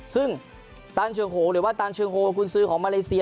ซึ่งตารางคุณซื้อของมาเลเซีย